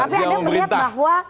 tapi ada yang melihat bahwa